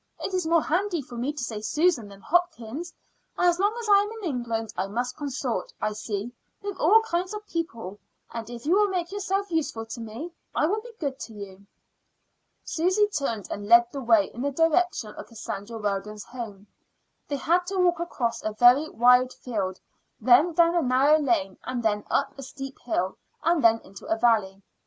It is more handy for me to say Susan than Hopkins. As long as I am in England I must consort, I see, with all kinds of people; and if you will make yourself useful to me, I will be good to you." Susy turned and led the way in the direction of Cassandra Weldon's home. They had to walk across a very wide field, then down a narrow lane, then up a steep hill, and then into a valley.